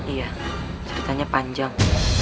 iya ceritanya panjang